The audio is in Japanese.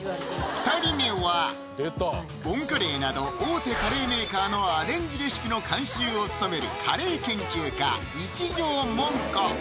２人目はボンカレーなど大手カレーメーカーのアレンジレシピの監修を務めるカレー研究家・一条もん